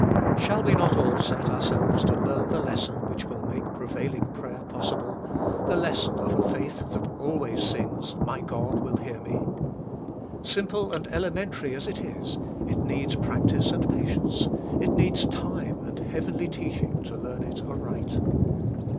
Shall we not all set ourselves to learn the lesson which will make prevailing prayer possible the lesson of a faith that always sings, " My God will hear me "? Simple and elementary as it is, it needs practice and patience, it needs time and heavenly teaching, to learn it aright.